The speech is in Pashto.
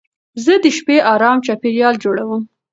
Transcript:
زه د شپې ارام چاپېریال جوړوم.